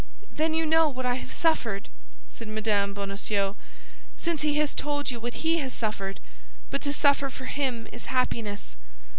"Then you know what I have suffered," said Mme. Bonacieux, "since he has told you what he has suffered; but to suffer for him is happiness."